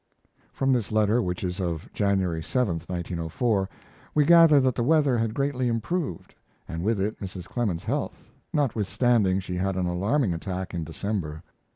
From this letter, which is of January 7, 1904, we gather that the weather had greatly improved, and with it Mrs. Clemens's health, notwithstanding she had an alarming attack in December.